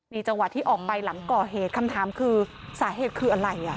จังหวะที่ออกไปหลังก่อเหตุคำถามคือสาเหตุคืออะไรอ่ะ